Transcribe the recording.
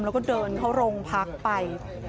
แล้วก็เดินเข้าโรงพักไป